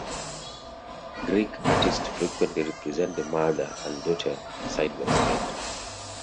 Greek artists frequently represent the Mother and Daughter side by side.